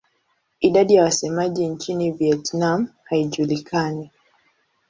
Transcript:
Idadi ya wasemaji nchini Vietnam haijulikani.